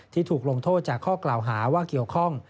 ที่ถูกลงโทษจากข้อกล่าวหาว่าเกี่ยวข้อง